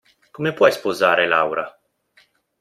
Come puoi sposare Laura?